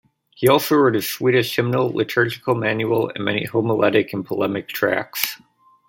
He also wrote a Swedish hymnal, liturgical manual and many homiletic and polemic tracts.